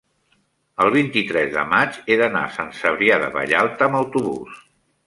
el vint-i-tres de maig he d'anar a Sant Cebrià de Vallalta amb autobús.